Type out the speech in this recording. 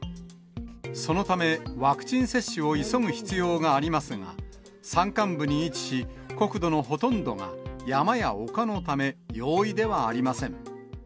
そのため、ワクチン接種を急ぐ必要がありますが、山間部に位置し、国土のほとんどが山や丘のため、容易ではありません。